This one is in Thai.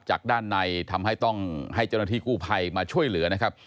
จากด้านในทำให้ต้องให้เจ้าหน้าที่กู้ภัยมาช่วยเหลือนะครับ